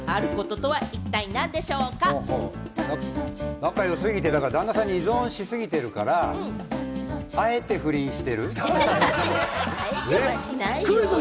仲が良すぎて、旦那さんに依存しているからあえて不倫している。